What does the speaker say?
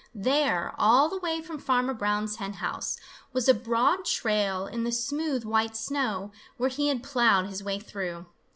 There, all the way from Farmer Brown's hen house, was a broad trail in the smooth white snow, where he had plowed his way through.